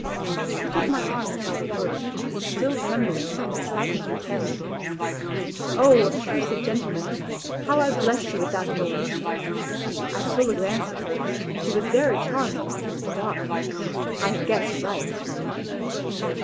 She took my arm without a word, still trembling with excite ment and terror. Oh, pbtrusive gentleman ! How I blessed you at that moment ! I stole a glance at her, she was very charming and dark I had guessed right.